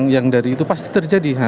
yang dari itu pasti terjadi